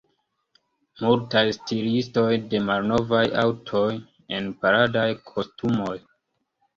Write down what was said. Multaj stiristoj de malnovaj aŭtoj en paradaj kostumoj.